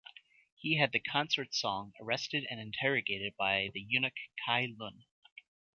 He had the Consorts Song arrested and interrogated by the eunuch Cai Lun.